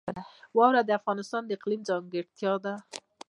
واوره د افغانستان د اقلیم ځانګړتیا ده.